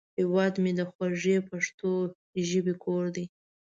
هیواد مې د خوږې پښتو ژبې کور دی